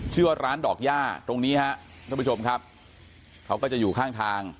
ชื่อว่าร้านดอกย่าตรงนี้ฮะท่านผู้ชมครับเขาก็จะอยู่ข้างทาง